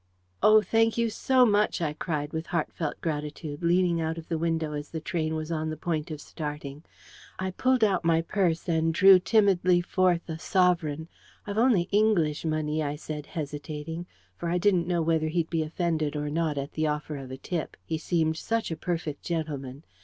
"Oh, thank you so much!" I cried, with heartfelt gratitude, leaning out of the window as the train was on the point of starting. I pulled out my purse, and drew timidly forth a sovereign. "I've only English money," I said, hesitating, for I didn't know whether he'd be offended or not at the offer of a tip he seemed such a perfect gentleman.